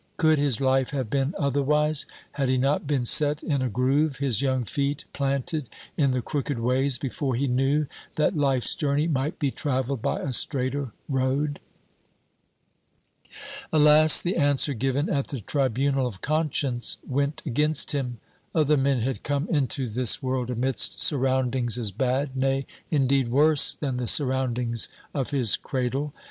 Could his life have been otherwise? Had he not been set in a groove, his young feet planted in the crooked ways, before he knew that life's journey might be travelled by a straighter road? Alas, the answer given at the tribunal of conscience went against him! Other men had come into this world amidst surroundings as bad, nay, indeed, worse than the surroundings of his cradle.